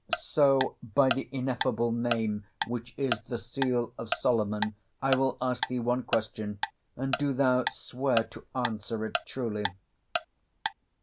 So, by the Ineffable Name, which is the seal of Solomon, I will ask thee one question, and do thou swear to answer it truly."